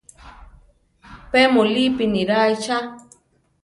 Pe mulípi niráa ichá.